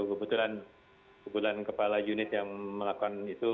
kebetulan kepala unit yang melakukan itu